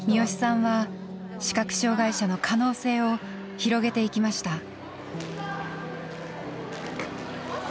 視良さんは視覚障害者の可能性を広げていきました。